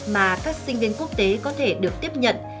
mà các sinh viên quốc tế có thể được tiếp nhận